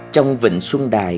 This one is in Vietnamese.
trong vịnh xuân đài